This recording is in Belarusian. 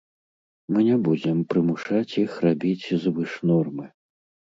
Мы не будзем прымушаць іх рабіць звыш нормы.